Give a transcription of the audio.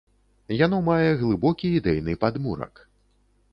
Яно мае глыбокі ідэйны падмурак.